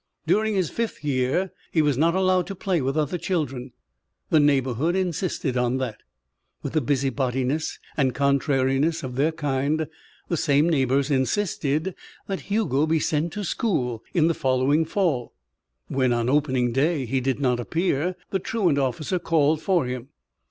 During his fifth year he was not allowed to play with other children. The neighbourhood insisted on that. With the busybodyness and contrariness of their kind the same neighbours insisted that Hugo be sent to school in the following fall. When, on the opening day, he did not appear, the truant officer called for him.